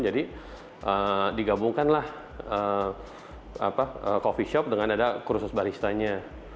jadi digabungkan lah coffee shop dengan ada kursus baristanya